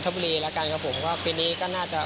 เพราะเราสอนกลับเร็วอยู่แล้วครับ